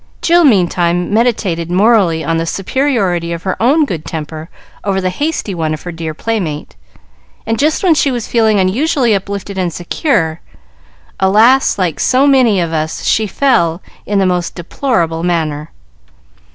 Jill meantime meditated morally on the superiority of her own good temper over the hasty one of her dear playmate, and just when she was feeling unusually uplifted and secure, alas! like so many of us, she fell, in the most deplorable manner.